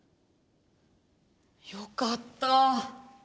よかった。